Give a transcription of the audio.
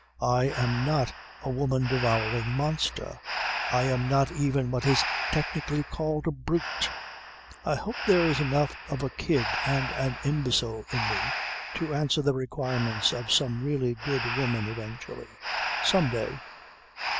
I am not a women devouring monster. I am not even what is technically called "a brute." I hope there's enough of a kid and an imbecile in me to answer the requirements of some really good woman eventually some day